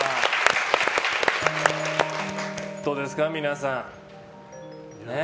どうですか、皆さん。